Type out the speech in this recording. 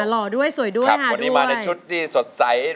หล่อด้วยสวยด้วยครับวันนี้มาในชุดที่สดใส